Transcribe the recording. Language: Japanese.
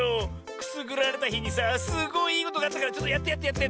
くすぐられたひにさすごいいいことがあったからやってやってやって！